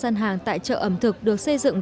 dân hàng tại chợ ẩm thực được xây dựng